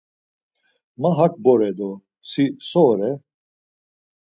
Ma hak bore do si so ore?